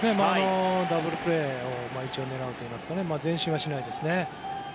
ダブルプレーを狙うといいますか前進はしないですね。